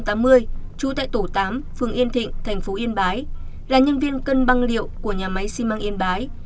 trú tại tổ tám phường yên thịnh thành phố yên bái là nhân viên cân băng liệu của nhà máy xi măng yên bái